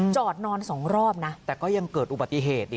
จอดนอนสองรอบนะแต่ก็ยังเกิดอุบัติเหตุ